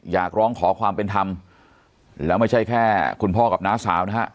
อยากร้องขอความเป็นธรรมแล้วไม่ใช่แค่คุณพ่อกับน้าสาวนะฮะ